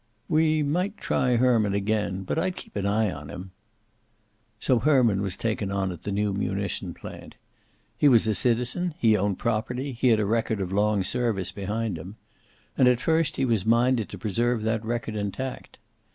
"We might try Herman again. But I'd keep an eye on him." So Herman was taken on at the new munition plant. He was a citizen, he owned property, he had a record of long service behind him. And, at first, he was minded to preserve that record intact.